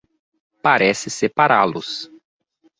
Parece separá-los